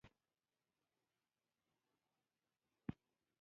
چرته چې دوي ته